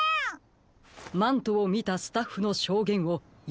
マントをみたスタッフのしょうげんをよくおもいだしてください。